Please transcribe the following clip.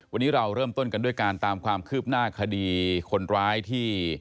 วันนี้เราเริ่มต้นกันด้วยการตามความคืบหน้าคดีคนร้ายที่